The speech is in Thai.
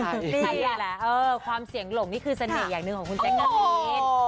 นี่แหละความเสียงหลงนี่คือเสน่ห์อย่างหนึ่งของคุณแจ๊คเกอร์มีส